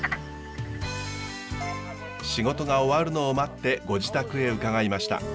仕事が終わるのを待ってご自宅へ伺いました。